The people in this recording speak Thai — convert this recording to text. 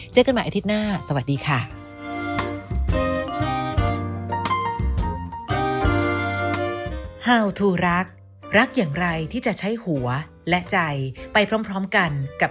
เจอกันใหม่อาทิตย์หน้าสวัสดีค่ะ